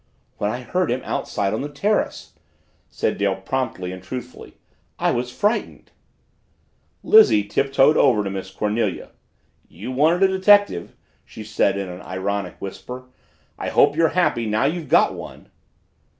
"When I heard him outside on the terrace," said Dale promptly and truthfully. "I was frightened." Lizzie tiptoed over to Miss Cornelia. "You wanted a detective!" she said in an ironic whisper. "I hope you're happy now you've got one!"